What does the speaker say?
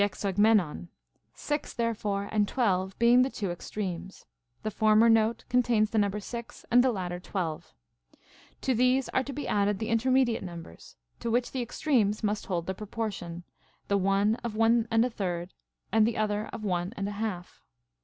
XXIX. (G.) CONCERNING MUSIC. 119 the νι]τη Μζίνγμ^νων, 6 therefore and 12 being the two extremes, the former note contams the number 6, and the hitter 12. To these are to be added the intermediate numbers, to which the extremes must hold the proportion, the one of one and a third, and the other of one and a half.